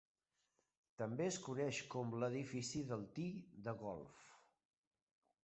També es coneix com l"edifici del "tee de golf".